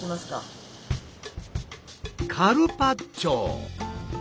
カルパッチョ！